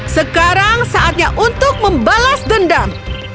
sekarang saatnya untuk membalas dendam